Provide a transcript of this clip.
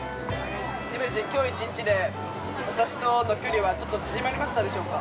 デヴィ夫人、きょう１日で私との距離はちょっと縮まりましたでしょうか。